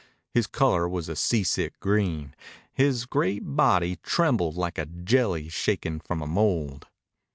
His color was a seasick green. His great body trembled like a jelly shaken from a mould.